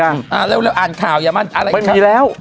อ่าเร็วอ่านข่าวอย่ามาอะไรมันมีแล้ว